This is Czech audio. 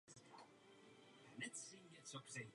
To by alespoň byly dobře vynaložené peníze.